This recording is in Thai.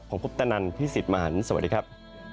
ของพุทธนันทร์พี่สิทธิ์มหันธรรมดิ์สวัสดีครับ